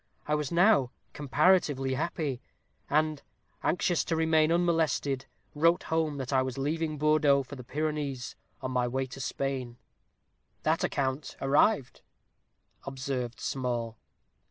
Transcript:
I was now comparatively happy, and, anxious to remain unmolested, wrote home that I was leaving Bordeaux for the Pyrenees, on my way to Spain." "That account arrived," observed Small.